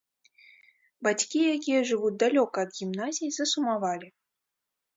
Бацькі, якія жывуць далёка ад гімназій, засумавалі.